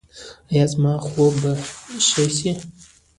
ایا زما خوب به ښه شي؟